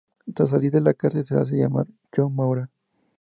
Tras salir de la cárcel se hace llamar John Maura.